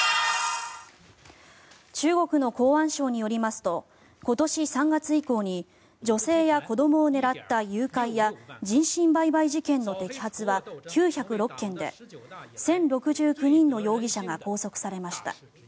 中国の公安省によりますと今年３月以降に女性や子どもを狙った誘拐や人身売買事件の摘発は９０６件で１０６９人の容疑者が拘束されました。